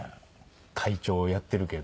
会長をやってるけどね。